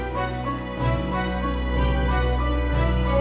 pak jeenet pihak padika